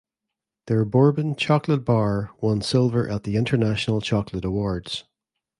Their bourbon chocolate bar won silver at The International Chocolate Awards.